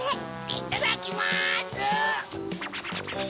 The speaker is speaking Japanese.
いただきます！